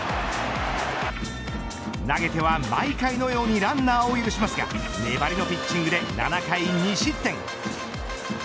投げては毎回のようにランナーを許しますが粘りのピッチングで７回２失点。